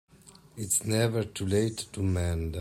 It's never too late to mend